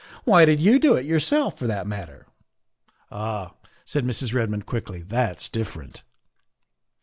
" Why did you do it your self, for that matter?" "Ah," said Mrs. Redmond quickly, " that's dif ferent."